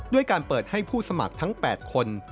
การเปิดให้ผู้สมัครทั้ง๘คน